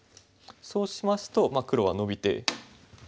そうしますと黒はノビて。